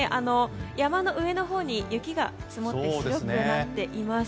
山の上のほうに雪が積もって白くなっています。